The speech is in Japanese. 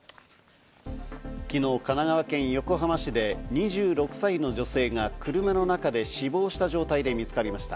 昨日、神奈川県横浜市で２６歳の女性が車の中で死亡した状態で見つかりました。